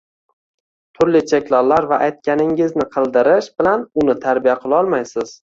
Turli cheklovlar va aytganingizni qildirish bilan uni tarbiya qilolmaysiz